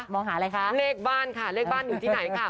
มองหาอะไรคะ